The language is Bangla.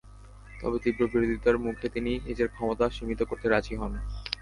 তবে তীব্র বিরোধিতার মুখে তিনি নিজের ক্ষমতা সীমিত করতে রাজি হন।